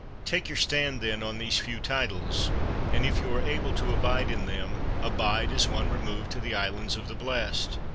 Take your stand then on these few titles; and if you are able to abide in them, abide, as one removed to the Islands of the Blest.